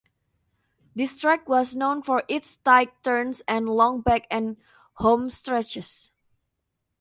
This track was known for its tight turns and long back and homestretches.